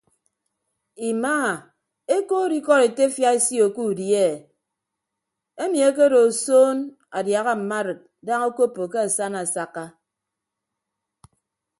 Imaa ekood ikọd etefia isio ke udi e emi akedo osoon adiaha mma arid daña okoppo ke asana asakka.